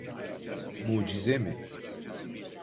Mucize mi?